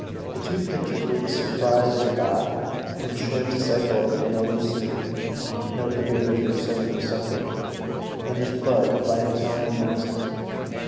The two pictures were The Surprise in the Bath, from Schwind's Cycle of the Melusine (note the bathers suddenly separating), and The Flood, by an Italian master.